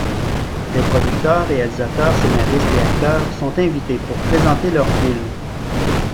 Des producteurs, réalisateurs, scénaristes et acteurs sont invités pour présenter leurs films.